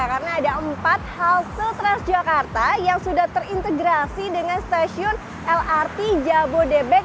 karena ada empat halte transjakarta yang sudah terintegrasi dengan stasiun lrt jabodebek